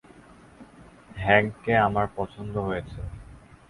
হ্যাংককে আমার পছন্দ হয়েছে।